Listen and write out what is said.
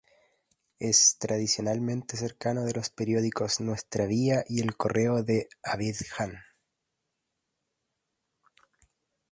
Es, tradicionalmente cercano de los periódicos "Nuestra Via", y "El Correo de Abidjan".